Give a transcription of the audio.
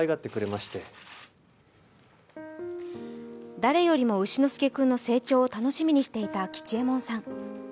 誰よりも丑之助君の成長を楽しみにしていた吉右衛門さん。